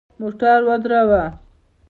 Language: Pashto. موټر ودروه !